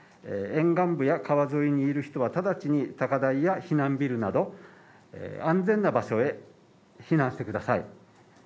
沿岸部や川沿いにいる人は直ちに高台や避難ビルなど安全な場所へ避難してください。